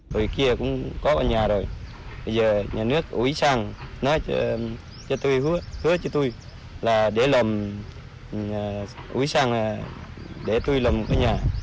hồi kia cũng có nhà rồi bây giờ nhà nước ủi sang nói cho tôi hứa cho tôi là để làm ủi sang để tôi làm một cái nhà